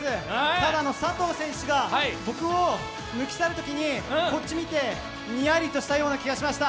ただ佐藤選手が僕を抜き去るときに、こっち見て、にやりとしたような気がしました。